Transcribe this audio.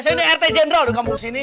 saya ini rt jendral dikampung sini